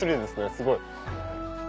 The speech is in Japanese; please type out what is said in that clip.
すごい。